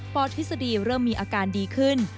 ทฤษฎีเริ่มมีอาการดีขึ้น